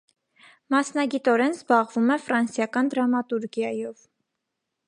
Մասնագիտորեն զբաղվում է ֆրանսիական դրամատուրգիայով։